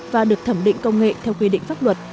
và được thẩm định công nghệ theo quy định pháp luật